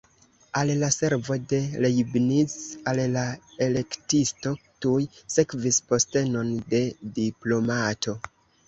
Al la servo de Leibniz al la Elektisto tuj sekvis postenon de diplomato.